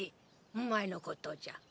お前のことじゃ。